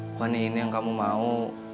bukan ini yang kamu mau